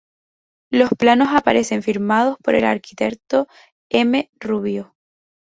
Los planos aparecen firmados por el arquitecto M. Rubio.